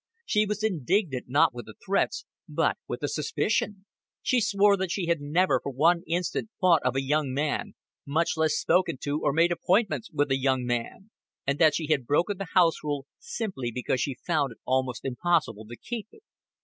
She was indignant not with the threats, but with the suspicion. She swore that she had never for one instant thought of a young man, much less spoken to or made appointments with a young man; and that she had broken the house rule simply because she found it almost impossible to keep it.